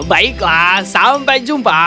baiklah sampai jumpa